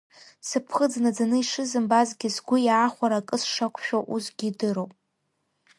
Сыԥхыӡ нагӡаны ишызымбазгьы, сгәы иаахәара акы сшақәшәо, усгьы идыруп.